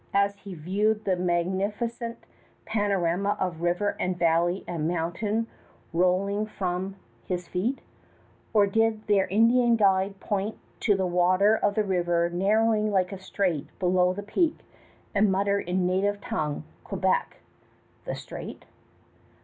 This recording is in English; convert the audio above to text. as he viewed the magnificent panorama of river and valley and mountain rolling from his feet; or did their Indian guide point to the water of the river narrowing like a strait below the peak, and mutter in native tongue, "Quebec" (The strait)?